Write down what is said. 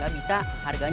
ya udahlah masuk omin